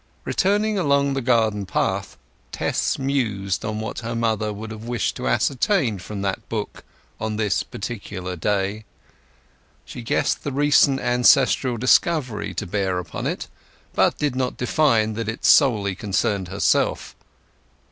Returning along the garden path Tess mused on what the mother could have wished to ascertain from the book on this particular day. She guessed the recent ancestral discovery to bear upon it, but did not divine that it solely concerned herself.